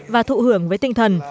và thụ hưởng với tinh thần